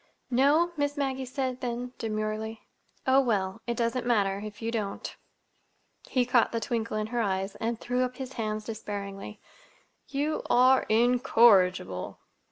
"No?" Miss Maggie said then, demurely. "Oh, well—it doesn't matter—if you don't." He caught the twinkle in her eyes and threw up his hands despairingly. "You are incorrigible!"